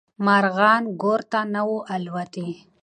مارغان ګور ته نه وو الوتلي.